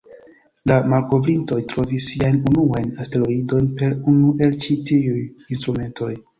La malkovrintoj trovis siajn unuajn asteroidojn per unu el ĉi-tiuj instrumentoj.